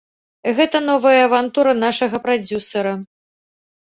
Гэта новая авантура нашага прадзюсара.